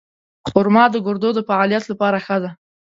خرما د ګردو د فعالیت لپاره ښه ده.